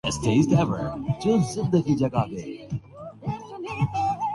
کنگنا رناوٹ کبڈی کے اکھاڑے میں اتریں گی